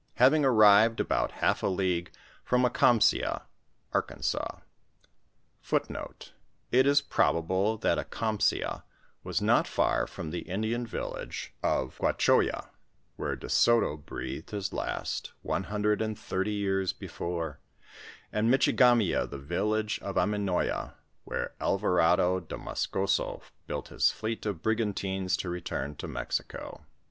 Having arrived about half a league from Akamsea* (Arkansas), we saw two cs^oes coming * It ia probable that Akamsea was not far from the Indian village of Gnaoho ya, where De Soto breathed his last, one hundred and thirty years before ; and Mitchigaraea, the village of Aminoya, where Alvarado de Moscoso built his fleet of brigantines to return to Mexico.